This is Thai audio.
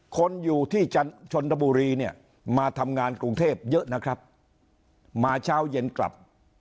คนที่ชนบุรีเนี่ยมาทำงานกรุงเทพเยอะนะครับมาเช้าเย็นกลับ